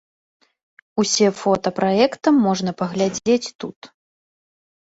Усе фота праекта можна паглядзець тут.